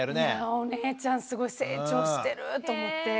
お姉ちゃんすごい成長してると思って。